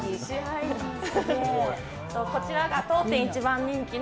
こちらが当店一番人気の。